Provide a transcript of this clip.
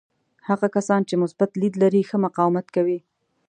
هغه کسان چې مثبت لید لري ښه مقاومت کوي.